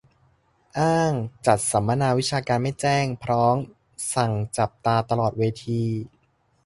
อ้างจัดสัมมนาวิชาการไม่แจ้ง พร้อมสั่งจับตาตลอดเวที